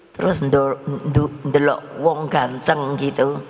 terus kalau orang ganteng gitu